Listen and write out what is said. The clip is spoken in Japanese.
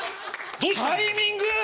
タイミング！